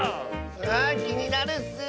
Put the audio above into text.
あきになるッス。